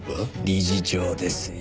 理事長ですよ。